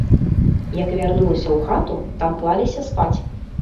Як вярнулася ў хату, там клаліся спаць.